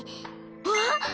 あっ！